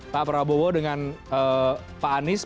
pak prabowo dengan pak anies